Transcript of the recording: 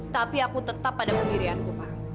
tapi aku tetap pada pendirianku pak